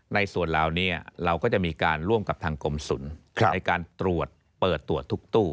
ในส่วนเหล่านี้เราก็จะมีการร่วมกับทางกรมศูนย์ในการตรวจเปิดตรวจทุกตู้